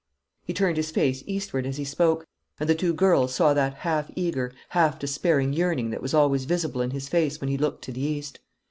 He turned his face eastward as he spoke, and the two girls saw that half eager, half despairing yearning that was always visible in his face when he looked to the east.